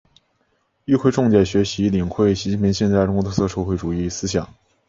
会议重点学习领会习近平新时代中国特色社会主义思想